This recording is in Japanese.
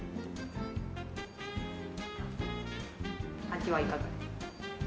味はいかが？